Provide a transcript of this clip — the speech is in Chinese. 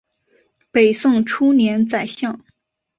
北宋初年宰相。